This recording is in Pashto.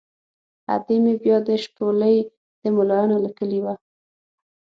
ادې مې بیا د شپولې د ملایانو له کلي وه.